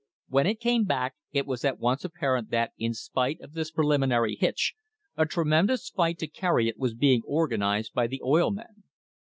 When it came back it was at once apparent that, in spite of this pre liminary hitch, a tremendous fight to carry it was being organised by the oil men.